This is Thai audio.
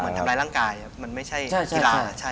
เหมือนทำร้ายร่างกายครับมันไม่ใช่กีฬา